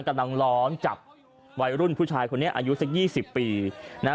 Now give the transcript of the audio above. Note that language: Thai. กำลังร้องจับวัยรุ่นผู้ชายคนนี้อายุสัก๒๐ปีนะ